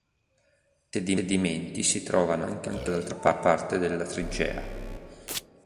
I sedimenti si trovano anche dall'altra parte della trincea.